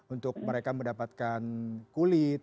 untuk mereka mendapatkan kulit